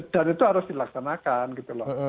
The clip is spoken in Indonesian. dan itu harus dilaksanakan gitu loh